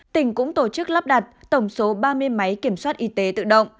tỉnh cũng tổ chức lắp đặt tổng số ba mươi máy kiểm soát y tế tự động